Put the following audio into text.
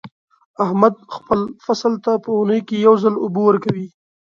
احمد خپل فصل ته په اونۍ کې یو ځل اوبه ورکوي.